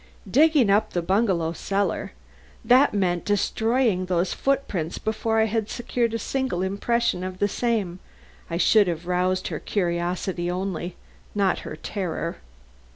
Digging up the bungalow cellar! That meant destroying those footprints before I had secured a single impression of the same. I should have roused her curiosity only, not her terror.